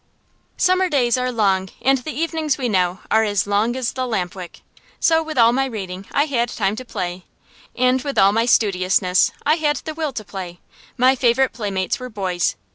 Summer days are long, and the evenings, we know, are as long as the lamp wick. So, with all my reading, I had time to play; and, with all my studiousness, I had the will to play. My favorite playmates were boys.